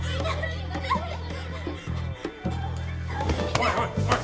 ・おいおいおい。